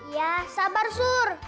ya sabar sur